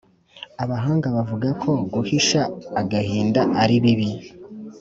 Abahanga bavuga ko guhisha agahinda ari bibi